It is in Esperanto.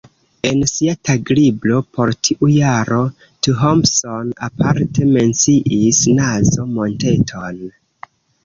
En sia taglibro por tiu jaro Thompson aparte menciis Nazo-Monteton.